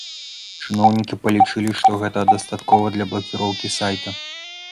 Чыноўнікі палічылі, што гэтага дастаткова для блакіроўкі сайта.